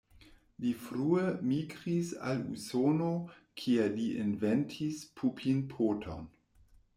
Li frue migris al Usono, kie li inventis Pupin-poton.